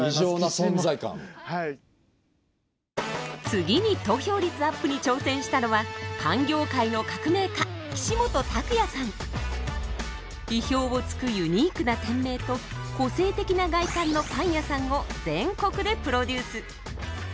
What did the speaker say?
次に投票率アップに挑戦したのはパン業界の革命家意表をつくユニークな店名と個性的な外観のパン屋さんを全国でプロデュース。